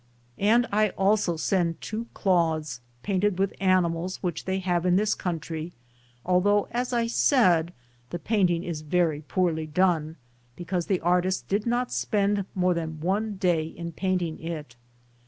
And I also send two cloths painted with the animals which they have in this country, although, as I said, the painting is very poorly done, because the artist did not spend more than one day in painting it.